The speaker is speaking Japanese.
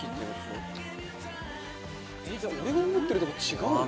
俺が思ってるとこ違うの？